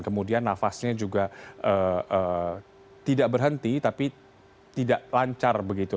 kemudian nafasnya juga tidak berhenti tapi tidak lancar begitu